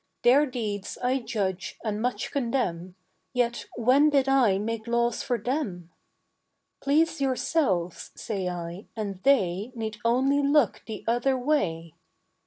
Their deeds I judge and much condemn, Yet when did I make laws for them? Please yourselves, say I, and they Need only look the other way.